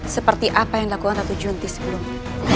seperti apa yang dilakukan ratu junti sebelumnya